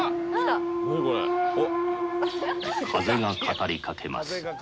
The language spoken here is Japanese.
風が語り掛けます。